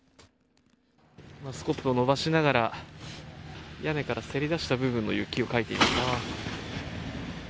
スコップを伸ばしながら屋根からせり出した部分の雪をかいています。